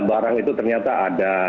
barang itu ternyata ada